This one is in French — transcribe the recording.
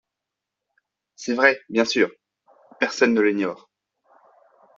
C’est vrai, bien sûr : personne ne l’ignore.